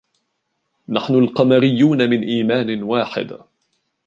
نحن القمريون من إيمانٍ واحد.